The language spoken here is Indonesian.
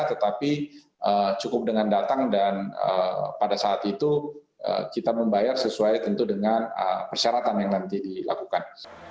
tetapi cukup dengan datang dan pada saat itu kita membayar sesuai tentu dengan persyaratan yang nanti dilakukan